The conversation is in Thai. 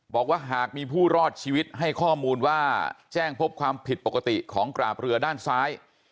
บอกว่าหากมีผู้รอดชีวิตให้ข้อมูลว่าแจ้งพบความผิดปกติของกราบเรือด้านซ้าย